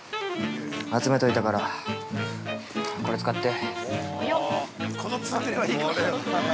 集めといたから、これ使って。